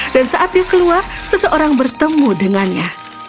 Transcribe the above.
saat dia keluar seseorang bertemu dengannya